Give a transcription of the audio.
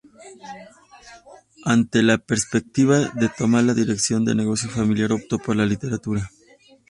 Ante la perspectiva de tomar la dirección del negocio familiar, optó por la literatura.